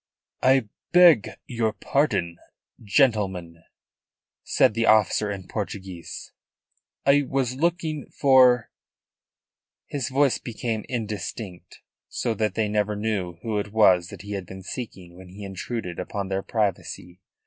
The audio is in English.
"I beg your pardon, gentlemen," said the officer in Portuguese, "I was looking for " His voice became indistinct, so that they never knew who it was that he had been seeking when he intruded upon their privacy.